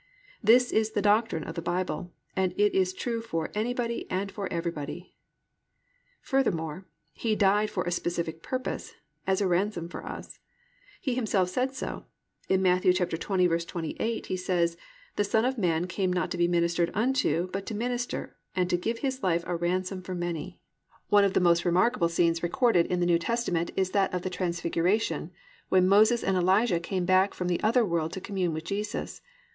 This is the doctrine of the Bible, and it is true for anybody and for everybody. 3. Furthermore, He died for a specific purpose, as a ransom for us. He Himself said so. In Matt. 20:28 He says, +"The Son of man came not to be ministered unto, but to minister, and to give His life a ransom for many."+ 4. One of the most remarkable scenes recorded in the New Testament is that of the transfiguration, when Moses and Elijah came back from the other world to commune with Jesus.